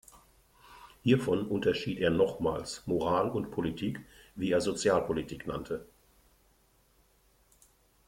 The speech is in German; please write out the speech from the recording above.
Hiervon unterschied er nochmals „Moral und Politik“, wie er Sozialpolitik nannte.